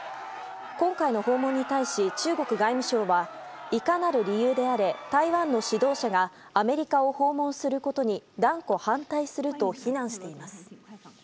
今回の訪問に対し中国外務省はいかなる理由であれ台湾の指導者がアメリカを訪問することに断固反対すると非難しています。